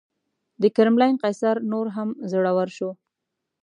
د کرملین قیصر نور هم زړور شو.